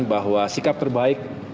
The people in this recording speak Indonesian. bahwa sikap terbaik